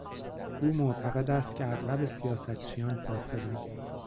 او معتقد است که اغلب سیاستچیان فاسدند.